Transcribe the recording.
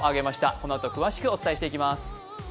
このあと詳しくお伝えしてまいります。